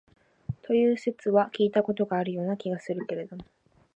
という説は聞いた事があるような気がするけれども、